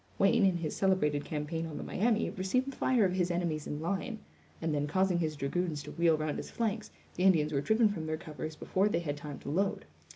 Wayne, in his celebrated campaign on the Miami, received the fire of his enemies in line; and then causing his dragoons to wheel round his flanks, the Indians were driven from their covers before they had time to load.